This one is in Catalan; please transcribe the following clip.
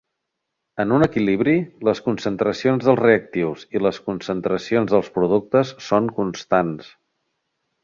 En un equilibri les concentracions dels reactius i les concentracions dels productes són constants.